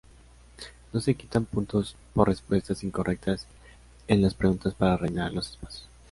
No se quitan puntos por respuestas incorrectas en la preguntas para rellenar los espacios.